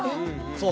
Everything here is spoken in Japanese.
そう。